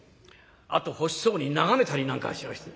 あと欲しそうに眺めたりなんかしまして。